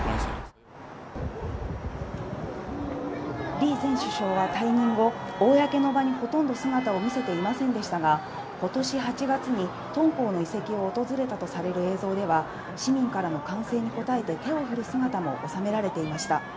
李前首相は退任後、公の場にほとんど姿を見せていませんでしたが、ことし８月に敦煌の遺跡を訪れたとされる映像では、市民からの歓声に応えて手を振る姿も収められていました。